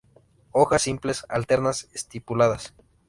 Hojas simples, alternas, estipuladas.